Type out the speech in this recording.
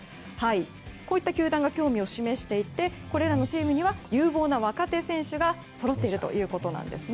こういった球団が興味を示していてこれらのチームには有望な若手選手がそろっているということです。